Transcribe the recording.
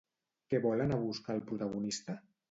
Què vol anar a buscar el protagonista?